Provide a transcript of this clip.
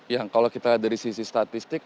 yang kalau kita dari sisi statistik